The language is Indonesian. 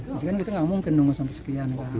jadi kan kita tidak mungkin menunggu sampai sekian